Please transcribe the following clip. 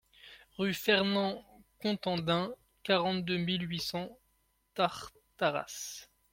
Rue Fernand Contandin, quarante-deux mille huit cents Tartaras